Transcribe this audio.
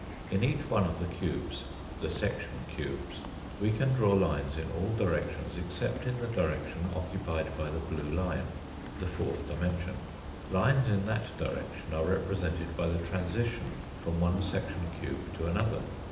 In each one of the cubes, the section cubes, we can draw lines in all directions except in the direction occupied by the blue line, the fourth dimension ; lines in that direction are represented by the transition from one section cube to another.